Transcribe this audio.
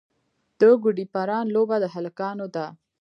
د ګوډي پران لوبه د هلکانو ده.